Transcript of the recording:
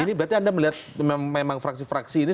ini berarti anda melihat memang fraksi fraksi ini